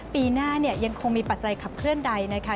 ปีหน้าเนี่ยยังคงมีปัจจัยขับเคลื่อนใดนะคะ